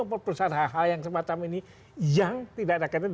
perusahaan hal hal yang semacam ini yang tidak ada kaitan